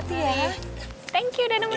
thank you udah nemuin